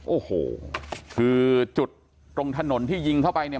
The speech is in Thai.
โอ้โหคือจุดตรงถนนที่ยิงเข้าไปเนี่ย